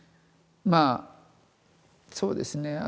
まあそうですね